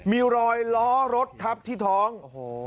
มีรอยล้อรถทับที่ท้อง